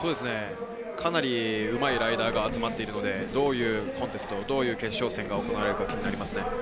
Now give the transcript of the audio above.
かなりうまいライダーが集まっているので、どういうコンテスト、決勝戦が行われるかになります。